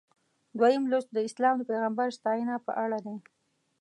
دویم لوست د اسلام د پیغمبر ستاینه په اړه دی.